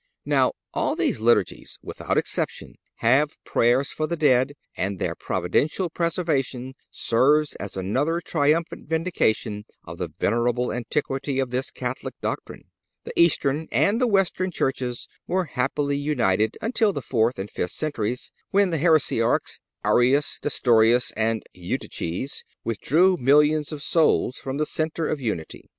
Now, all these Liturgies, without exception, have prayers for the dead, and their providential preservation serves as another triumphant vindication of the venerable antiquity of this Catholic doctrine. The Eastern and the Western churches were happily united until the fourth and fifth centuries, when the heresiarchs Arius, Nestorius and Eutyches withdrew millions of souls from the centre of unity.